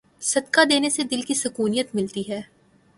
صدقہ دینے سے دل کی سکونیت ملتی ہے۔